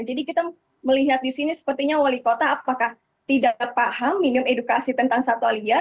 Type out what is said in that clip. jadi kita melihat di sini sepertinya wali kota apakah tidak paham minimum edukasi tentang satu liar